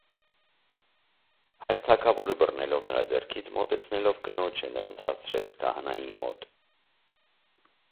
Հայր թագավորը բռնելով նրա ձեռքից մոտեցնելով կնոջը նրանց հասցրեց քահանայի մոտ։